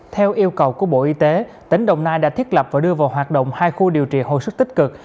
theo yêu cầu của bộ y tế tỉnh đồng nai đã thiết lập và đưa vào hoạt động hai khu điều trị hồi sức tích cực